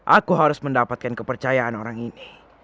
aku harus mendapatkan kepercayaan orang ini